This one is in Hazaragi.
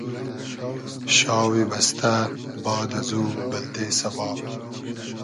شاوی بئستۂ باد ازو بلدې سئواب